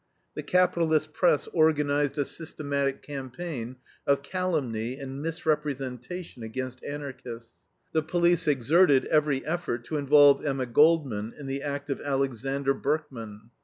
The capitalist press organized a systematic campaign of calumny and misrepresentation against Anarchists. The police exerted every effort to involve Emma Goldman in the act of Alexander Berkman.